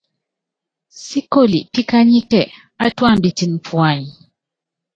Síkoli píkányíkɛ átúámbitɛn puany.